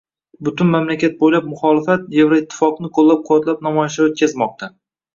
Butun mamlakat bo‘ylab muxolifat Yevroittifoqni qo‘llab-quvvatlab namoyishlar o‘tkazmoqda